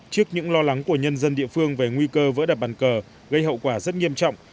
trước những lo lắng của nhân dân địa phương về nguy cơ vỡ đập bàn cờ gây hậu quả rất nghiêm trọng